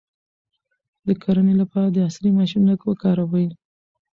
د کرنې لپاره عصري ماشینونه وکاروئ.